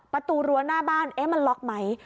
ประตูรั้วหน้าบ้านมันล็อกไหม